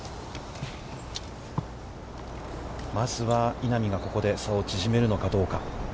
まずは稲見がここで差を縮めるのかどうか。